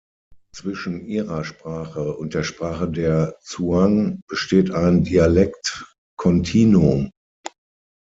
Zwischen ihrer Sprache und der Sprache der Zhuang besteht ein Dialektkontinuum.